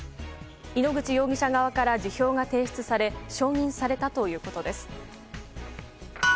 井ノ口容疑者側から辞表が提出され承認されたということです。